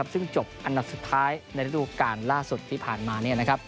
ซึ่งจบอันดับสุดท้ายในระดูการล่าสุดที่ผ่านมา